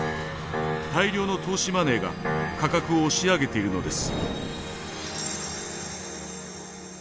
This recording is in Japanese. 大量の投資マネーが価格を押し上げているのです。